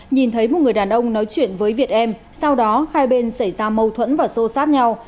nhìn thấy một người đàn ông nói chuyện với việt em sau đó hai bên xảy ra mâu thuẫn và xô sát nhau